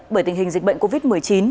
bởi tình hình dịch bệnh covid một mươi chín